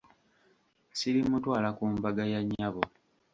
Sirimutwala ku mbaga ya nnyabo.